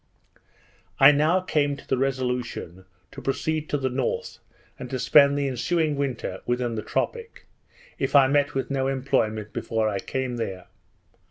I now came to the resolution to proceed to the north, and to spend the ensuing winter within the tropic, if I met with no employment before I came there.